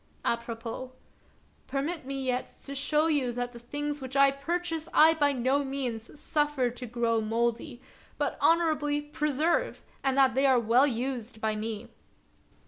— Apropos: Permit me yet to show you that the things which I purchase I by no means suffer to grow mouldy, but honorably preserve, and that they are well used by me."